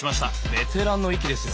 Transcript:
ベテランの域ですよ！